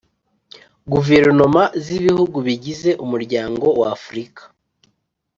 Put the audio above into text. Guverinoma z Ibihugu bigize Umuryango w afurika